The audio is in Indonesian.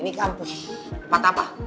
ini kampus tempat apa